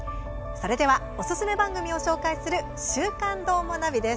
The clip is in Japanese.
それではおすすめ番組を紹介する「週刊どーもナビ」です。